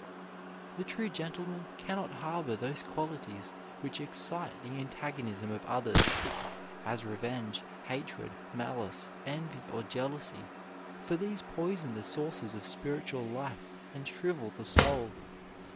The true gentleman cannot harbor those qualities which excite the antagonism of others, as revenge, hatred, malice, envy, or jealousy, for these poison the sources of spiritual life and shrivel the soul.